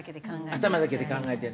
頭だけで考えて。